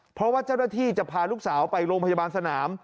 เพราะว่าเจ้าหน้าที่จะพาลูกสาวไปโรงพยาบาลสนาม